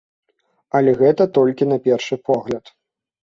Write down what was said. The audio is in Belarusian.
Але гэта толькі на першы погляд.